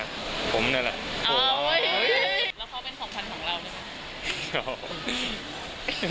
แล้วเขาเป็นของนั้นของเราได้มั้ยครับ